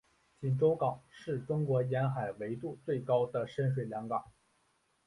锦州港是中国沿海纬度最高的深水良港。